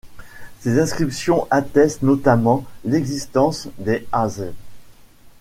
Ces inscriptions attestent notamment l'existence des Az.